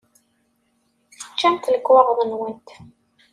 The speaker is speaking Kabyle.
Teččamt lekwaɣeḍ-nwent